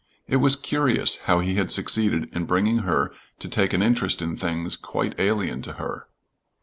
It was curious how he had succeeded in bringing her to take an interest in things quite alien to her.